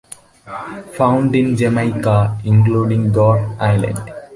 Found in Jamaica, including Goat Island.